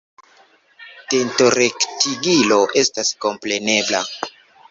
Dentorektigilo estas komprenebla.